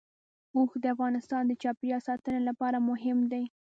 اوښ د افغانستان د چاپیریال ساتنې لپاره مهم دي.